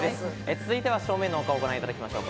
続いては正面のお顔を見てもらいましょう。